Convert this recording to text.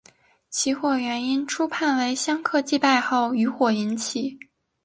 起火原因初判为香客祭拜后余火引起。